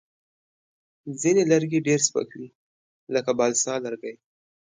ځینې لرګي ډېر سپک وي، لکه بالسا لرګی.